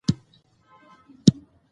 شفاف کړنلارې د شخړو کچه راکموي.